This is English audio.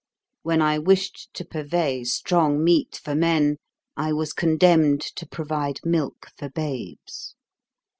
When I wished to purvey strong meat for men, I was condemned to provide milk for babes.